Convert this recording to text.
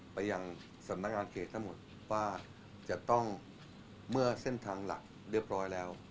ไปยังสำนักงานเขตทั้งหมดว่าจะต้องเมื่อเส้นทางหลักเรียบร้อยแล้ว